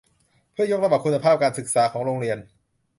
เพื่อยกระดับคุณภาพการศึกษาของโรงเรียน